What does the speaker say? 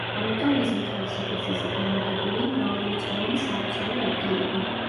ამიტომ მის მთელ სიგრძეზე განლაგებულია მრავალრიცხოვანი სალოცავი ადგილები.